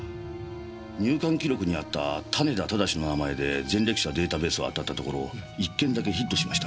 入館記録にあった種田正の名前で前歴者データベースを当たったところ１件だけヒットしました。